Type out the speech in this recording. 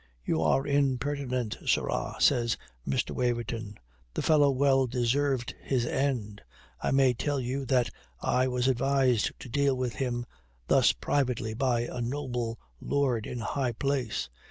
"You are impertinent, sirrah," says Mr. Waverton. "The fellow well deserved his end. I may tell you that I was advised to deal with him thus privately by a noble lord in high place."